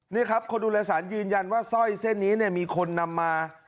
นี่ครับคนดูแลสารยืนยันว่าสร้อยเส้นนี้มีคนนำมา